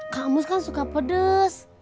kamu kan suka pedes